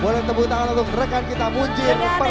boleh tepuk tangan untuk rekan kita munjir permana